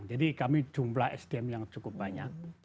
jadi kami jumlah sdm yang cukup banyak